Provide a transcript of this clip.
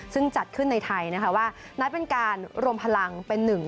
ซึ่งจัดขึ้นในไทยนะคะว่านัดเป็นการรวมพลังเป็นหนึ่ง